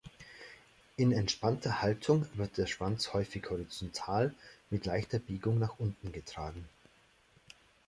In entspannter Haltung wird der Schwanz häufig horizontal mit leichter Biegung nach unten getragen.